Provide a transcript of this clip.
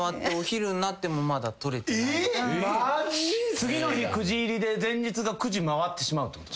次の日９時入りで前日が９時回ってしまうってこと？